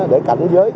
để cảnh giới